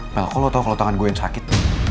mel kok lu tau kalo tangan gue yang sakit